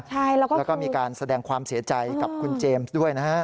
แล้วก็มีการแสดงความเสียใจกับคุณเจมส์ด้วยนะฮะ